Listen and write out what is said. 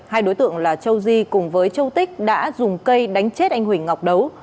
hai đối tượng là châu di cùng với châu tích đã dùng cây đánh chết anh huỳnh ngọc đấu